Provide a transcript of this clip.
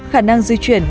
khả năng di chuyển